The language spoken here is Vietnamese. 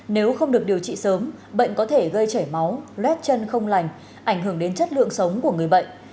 nếu không được điều trị sớm bệnh có thể gây chảy máu luét chân không lành ảnh hưởng đến chất lượng sống của người bệnh